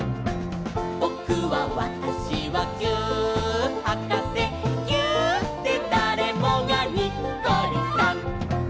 「ぼくはわたしはぎゅーっはかせ」「ぎゅーっでだれもがにっこりさん！」